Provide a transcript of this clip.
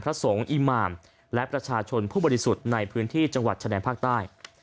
พระสงฆ์อิมามและประชาชนผู้บริสุทธิ์ในพื้นที่จังหวัดชะแดนภาคใต้